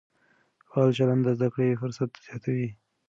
فعال چلند د زده کړې فرصت زیاتوي.